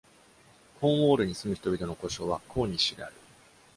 コーンウォールに住む人々の呼称はコーニッシュである。